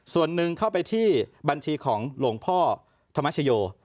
ส่วนหนึ่งเข้าไปที่บัญชีของหลวงพ่อธรรมชโย